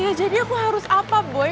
ya jadi aku harus apa boy